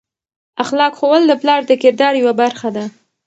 اخلاق ښوول د پلار د کردار یوه برخه ده.